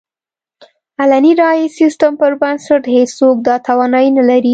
علني رایې سیستم پر بنسټ هېڅوک دا توانایي نه لري.